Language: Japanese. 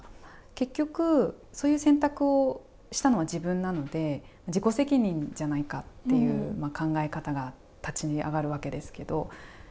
結局、そういう選択をしたのは自分なので自己責任じゃないかっていう考え方が立ち上がるわけですけど。